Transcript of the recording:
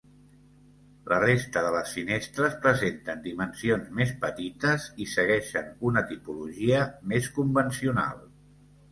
La resta de les finestres presenten dimensions més petites i segueixen una tipologia més convencional.